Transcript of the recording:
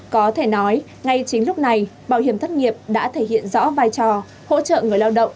có thể nói ngay chính lúc này bảo hiểm thất nghiệp đã thể hiện rõ vai trò hỗ trợ người lao động